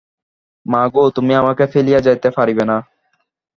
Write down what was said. মা গো, তুমি আমাকে ফেলিয়া যাইতে পারিবে না।